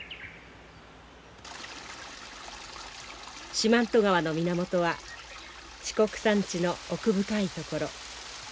四万十川の源は四国山地の奥深い所。